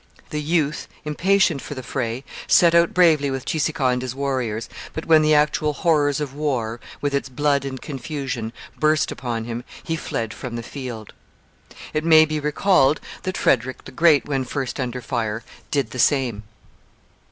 The youth, impatient for the fray, set out bravely with Cheeseekau and his warriors, but when the actual horrors of war, with its blood and confusion, burst upon him, he fled from the field. It may be recalled that Frederick the Great, when first under fire, did the same.